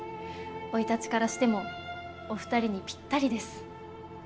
生い立ちからしてもお二人にピッタリです。